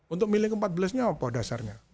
untuk milih ke empat belas ini apa dasarnya